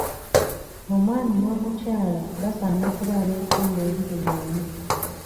Omwami n'omukyala basaana okuba abeesimbu eri buli omu.